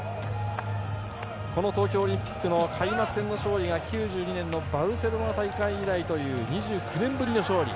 この東京オリンピックの開幕戦の勝利が９２年のバルセロナ大会以来という２９年ぶりの勝利。